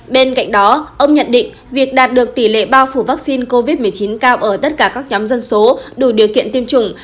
bên cạnh đó ông nhận định việc đạt được tỷ lệ bao phủ vaccine covid một mươi chín cao ở tất cả các nhóm dân số đủ điều kiện tiêm chủng